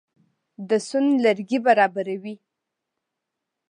د سون لرګي برابروي.